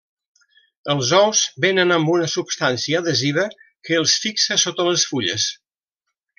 Els ous venen amb una substància adhesiva que els fixa sota les fulles.